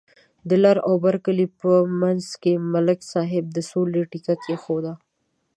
د لر او بر کلي په منځ کې ملک صاحب د سولې تیگه کېښوده.